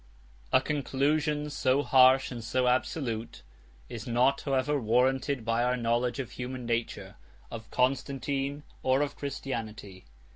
A conclusion so harsh and so absolute is not, however, warranted by our knowledge of human nature, of Constantine, or of Christianity.